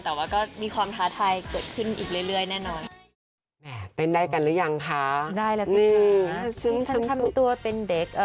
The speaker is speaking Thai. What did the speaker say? แต่ว่าก็มีความท้าทายเกิดขึ้นอีกเรื่อยแน่นอน